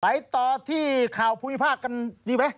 ไปต่อที่ข่าวภูมิภาคกันดีไหม